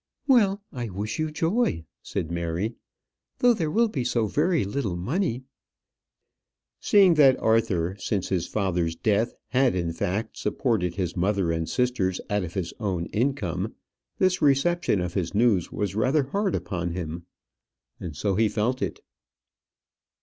"Well, I do wish you joy," said Mary, "though there will be so very little money." Seeing that Arthur, since his father's death, had, in fact, supported his mother and sisters out of his own income, this reception of his news was rather hard upon him. And so he felt it.